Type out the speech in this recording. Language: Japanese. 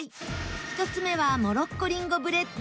１つ目はモロッコりんごブレッド。